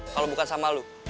kalau bukan sama lo